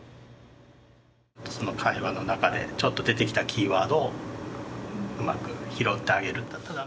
会話の中でちょっと出てきたキーワードをうまく拾ってあげる。